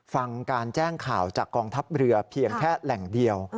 ฟังการแจ้งข่าวจากกองทัพเรือเพียงแค่แหล่งเดียว